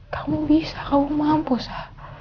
kamu bisa kamu mampus sa